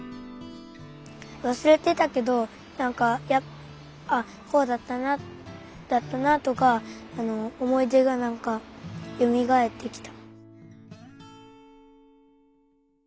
わすれてたけどなんかあこうだったなとかおもいでがなんかよみがえってきた。